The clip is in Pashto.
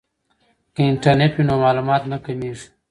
که انټرنیټ وي نو معلومات نه کمیږي.